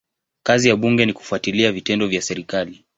Kazi ya bunge ni kufuatilia vitendo vya serikali.